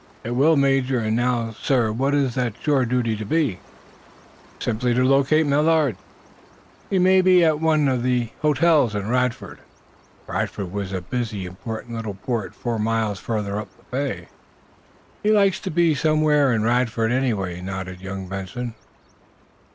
"It will, Major. And now, sir, what is that shore duty to be?" "Simply to locate Millard. He may be at one of the hotels in Radford." Radford was the busy, important little port four miles farther up the bay. "He's likely to be somewhere in Radford, anyway," nodded young Benson.